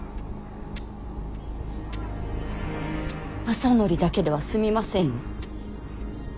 政範だけでは済みませんよ。